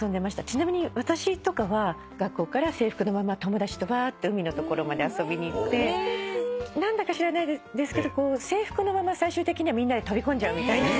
ちなみに私とかは学校から制服のまま友達とわーって海の所まで遊びに行って何だか知らないですけど制服のまま最終的にはみんなで飛び込んじゃうみたいな遊びをしたりとか。